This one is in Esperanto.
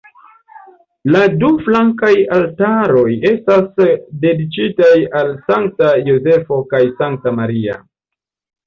La du flankaj altaroj estas dediĉitaj al Sankta Jozefo kaj Sankta Maria.